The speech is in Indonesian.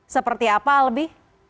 seperti apa albi